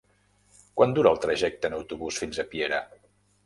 Quant dura el trajecte en autobús fins a Piera?